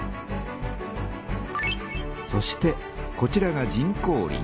そしてこちらが人工林。